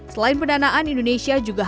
selain pendanaan indonesia juga